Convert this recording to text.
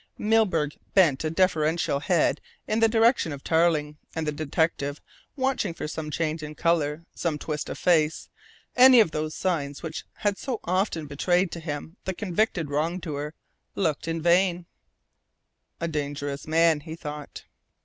Milburgh bent a deferential head in the direction of Tarling, and the detective, watching for some change in colour, some twist of face any of those signs which had so often betrayed to him the convicted wrongdoer looked in vain. "A dangerous man," he thought.